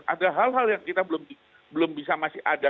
ada hal hal yang kita belum bisa masih ada